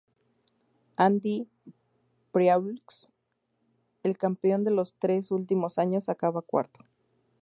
Andy Priaulx, el campeón de los tres últimos años, acaba cuarto.